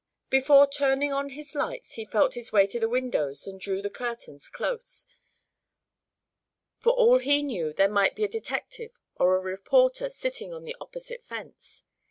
Before turning on his lights he felt his way to the windows and drew the curtains close. For all he knew there might be a detective or a reporter sitting on the opposite fence.